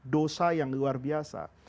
dosa yang luar biasa